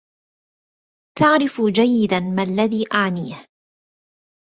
تعرف جيّدا ما الّذي أعنيه.